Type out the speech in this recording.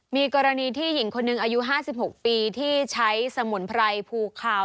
มีกรณีที่หญิงคนหนึ่งอายุ๕๖ปีที่ใช้สมุนไพรภูคาว